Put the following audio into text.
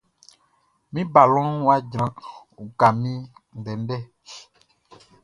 Min balɔnʼn wʼa jran, uka min ndɛndɛ!